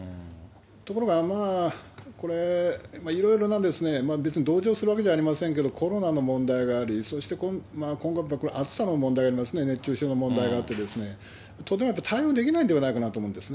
ところがこれ、いろいろな、別に同情するわけじゃありませんけれども、コロナの問題があり、そして今後、暑さの問題もありますね、熱中症の問題もあって、対応できないんじゃないかなと思うんですよ。